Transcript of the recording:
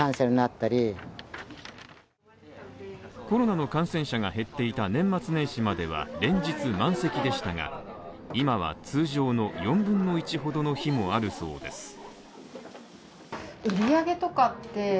コロナの感染者が減っていた年末年始までは連日満席でしたが、今は通常の４分の１ほどの日もあるそうです。